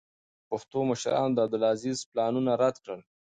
پښتنو مشرانو د عبدالعزیز پلانونه رد کړل.